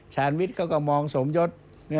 ชาญวิทย์เขาก็มองสมยศ